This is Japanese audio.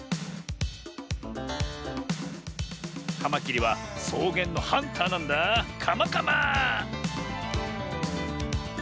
カマキリはそうげんのハンターなんだカマカマ。